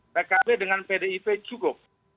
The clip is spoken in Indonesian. pkb dengan pdip cukup